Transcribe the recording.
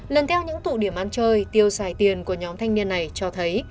lần theo những tụ điểm ăn chơi tiêu xài tiền của nhóm thanh niên này cho thấy